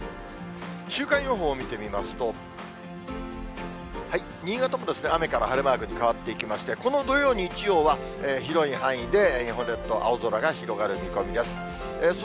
週間予報を見てみますと、新潟も雨から晴れマークに変わっていきまして、この土曜、日曜は、広い範囲で日本列島、青空が広がる見込みです。